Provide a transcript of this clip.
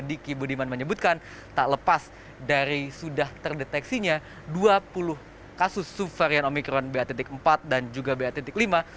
diki budiman menyebutkan tak lepas dari sudah terdeteksinya dua puluh kasus subvarian omikron ba empat dan juga ba lima